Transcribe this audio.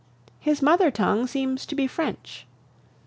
His mother tongue seems to be French.